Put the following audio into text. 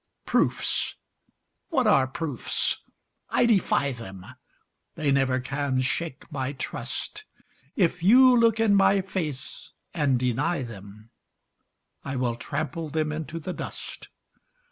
Proofs! what are proofs I defy them! They never can shake my trust; If you look in my face and deny them I will trample them into the dust.